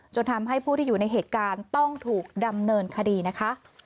จนทำให้ผู้ที่อยู่ในเหตุการณ์ต้องถูกดำเนินคดีนะคะ